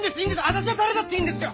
私は誰だっていいんですよ。